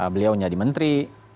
beliau jadi menteri